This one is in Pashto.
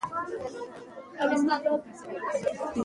ازادي راډیو د ترانسپورټ په اړه د نوښتونو خبر ورکړی.